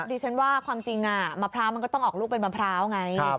ดิฉันว่าความจริงมะพร้าวมันก็ต้องออกลูกเป็นมะพร้าวไง